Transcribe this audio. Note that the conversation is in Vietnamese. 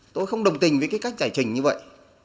tôi không đồng tình với cái cách giải trình như vậy